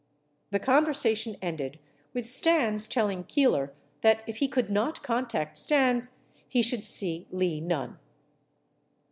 The conversation ended with Stans telling Keeler that if he could not contact Stans, he should see Lee Nunn.